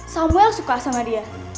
samuel suka sama dia